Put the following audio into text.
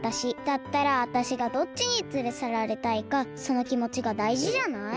だったらわたしがどっちにつれさられたいかそのきもちがだいじじゃない？